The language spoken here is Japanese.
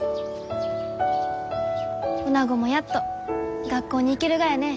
おなごもやっと学校に行けるがやね。